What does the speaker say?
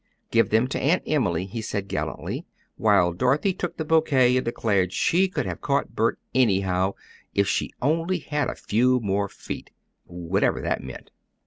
"Give them to Aunt Emily," he said gallantly, while Dorothy took the bouquet and declared she could have caught Bert, anyhow, if she "only had a few more feet," whatever that meant.